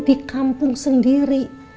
di kampung sendiri